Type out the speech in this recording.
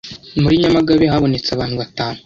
muri Nyamagabe habonetse abantu batanu